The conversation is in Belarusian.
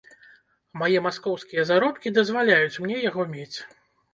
Мае маскоўскія заробкі дазваляюць мне яго мець.